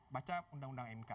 baca undang undang mk